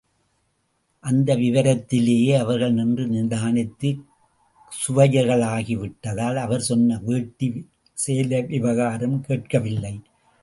அந்த விவரத்திலேயே அவர்கள் நின்று நிதானித்து சுவைஞர்களாகி விட்டதால், அவர் சொன்ன வேட்டி சேலை விவகாரம் கேட்கவில்லை.